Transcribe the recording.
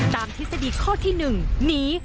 ตามทฤษฎีข้อที่หนึ่งหนี